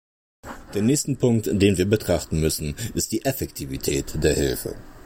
Der nächste Punkt, den wir betrachten müssen, ist die Effektivität der Hilfe.